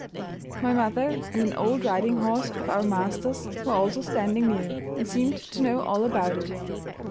My mother and an old riding horse of our master's were also standing near, and seemed to know all about it.